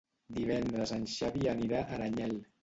Divendres en Xavi anirà a Aranyel.